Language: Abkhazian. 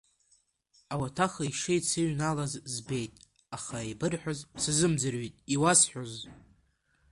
Ауаҭах ишеицыҩналаз збеит, аха еибырҳәоз сазымӡырҩит, иуасҳәозыз.